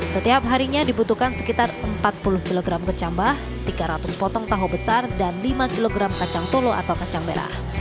setiap harinya dibutuhkan sekitar empat puluh kg kecambah tiga ratus potong tahu besar dan lima kg kacang tolo atau kacang merah